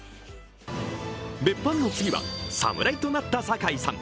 別班の次は侍となった堺さん。